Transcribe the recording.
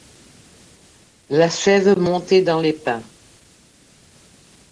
La sève montait dans les pins.